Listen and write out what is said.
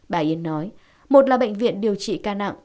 bà yên nói một là bệnh viện điều trị ca nặng